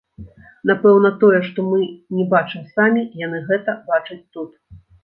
Напэўна, тое, што мы не бачым самі, яны гэта бачаць тут.